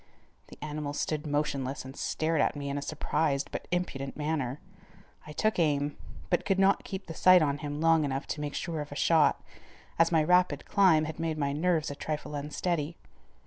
The animal stood motionless and stared at me in a surprised but impudent manner. I took aim, but could not keep the sight on him long enough to make sure of a shot, as my rapid climb had made my nerves a trifle unsteady.